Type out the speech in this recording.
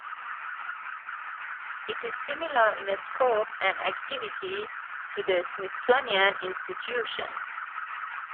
It is similar in scope and activity to the Smithsonian Institution.